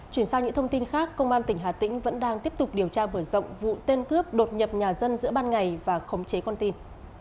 chuyển sang những thông tin khác công an tỉnh hà tĩnh vẫn đang tiếp tục điều tra mở rộng vụ tên cướp đột nhập nhà dân giữa ban ngày và khống chế con tin